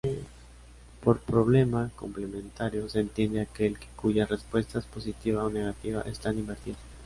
Por problema complementario se entiende aquel que cuyas respuestas positiva o negativa están invertidas.